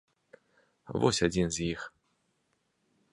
Вось адзін з іх.